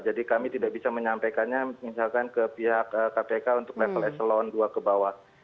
jadi kami tidak bisa menyampaikannya misalkan ke pihak kpk untuk level eselon dua ke bawah